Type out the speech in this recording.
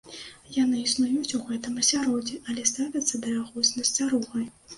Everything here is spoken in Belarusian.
Яны існуюць у гэтым асяроддзі, але ставяцца да яго з насцярогай.